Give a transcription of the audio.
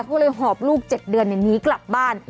ก็เลยหอบลูก๗เดือนนี้กลับบ้าน